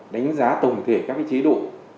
đánh giá tổng thể các chế độ